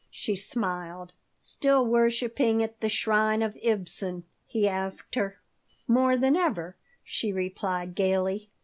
She smiled "Still worshiping at the shrine of Ibsen?" he asked her "More than ever," she replied, gaily.